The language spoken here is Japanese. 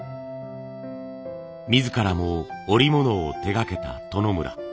自らも織物を手がけた外村。